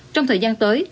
trong thời gian tới